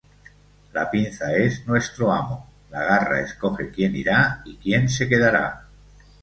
La pinza es nuestro amo. La garra escoge quién irá y quien se quedará.